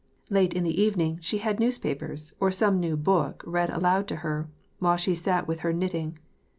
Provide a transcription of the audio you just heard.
Late in the evening, she had newspapers or some new book read aloud to her, while she sat witn her knitting.